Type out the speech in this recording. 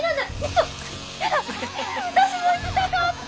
私も行きたかった！